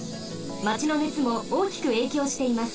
マチのねつもおおきくえいきょうしています。